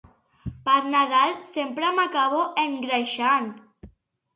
Per Nadal sempre m'acabo engreixant.